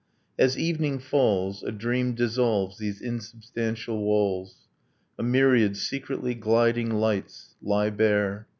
. As evening falls, A dream dissolves these insubstantial walls, A myriad secretly gliding lights lie bare